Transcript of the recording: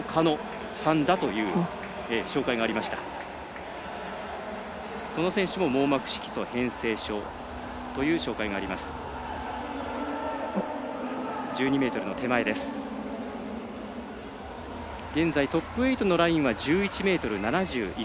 この選手も網膜色素変性症という障がいがあります。